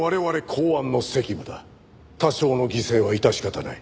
多少の犠牲は致し方ない。